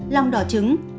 lòng đỏ trứng